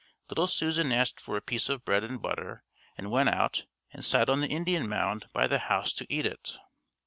Little Susan asked for a piece of bread and butter and went out and sat on the Indian mound by the house to eat it.